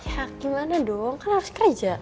hak gimana dong kan harus kerja